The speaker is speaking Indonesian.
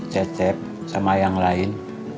jadi cecep sama yang lain